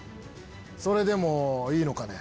それでもいいのかね？